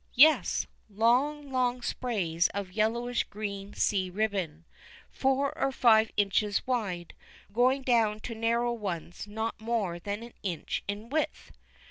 Yes, long, long sprays of yellowish green sea ribbon, four or five inches wide, going down to narrower ones not more than an inch in width.